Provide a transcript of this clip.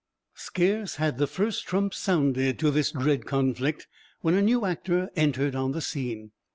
Scarce had the first trump sounded to this dread conflict, when a new actor entered on the scene.